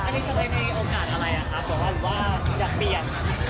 ไม่เคยมีโอกาสอะไรหรือว่าอยากเปลี่ยน